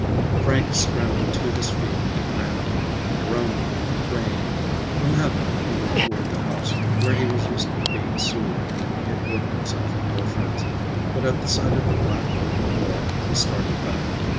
Frank scrambled to his feet and ran on, groaning and praying. From habit he went toward the house, where he was used to being soothed when he had worked himself into a frenzy, but at the sight of the black, open door, he started back.